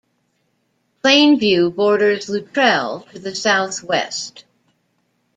Plainview borders Luttrell to the southwest.